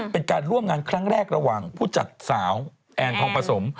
เป็นการร่วมงานครั้งแรกระหว่างผู้จัดสาวแอนทองผสม